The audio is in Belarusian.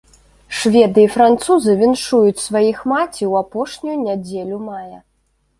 Шведы і французы віншуюць сваіх маці ў апошнюю нядзелю мая.